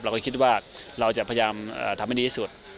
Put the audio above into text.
คิดว่าเราจะพยายามทำให้ดีที่สุด